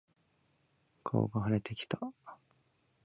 顔が腫れてきた。